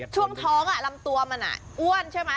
ช่วงท้องอะลำตัวมันอ้านใช่มั้ย